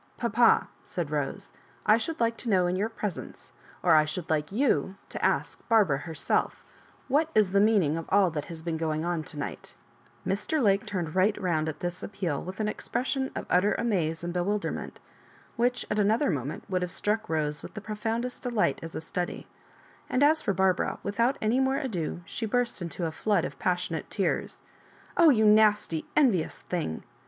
*'Papa," said Bose, "I should like to know in your presence, or I should like you to ask Bar bara herself what is the meaning of all that has been going on to night" Mr. Lake turned right round at this appeal with an expression of utter amaze and bewilder ment, which at another moment would have struck Bose with the profoundest delight as a study; and as for Barbara, without any more ado she burst into a flood of passionate tears. " Oh, you nasty envious thing!